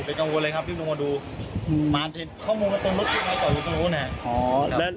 เป็นกังวลเลยครับที่มาดูอืมมาเท็จข้อมูลกับตรงรถที่ไหนก็รู้นะ